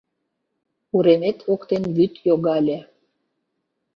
Уремет воктен вӱд йогале